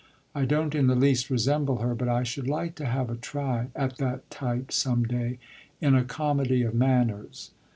I don't in the least resemble her, but I should like to have a try at that type some day in a comedy of manners.